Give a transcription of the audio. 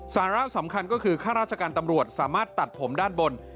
สาระสำคัญก็คือข้าราชการตำรวจสามารถตัดผมด้านบน